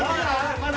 まだ？